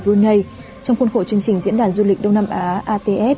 trong khuôn khổ chương trình diễn đàn du lịch đông nam á ats hai nghìn hai mươi